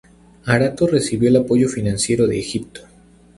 Arato recibió el apoyo financiero de Egipto.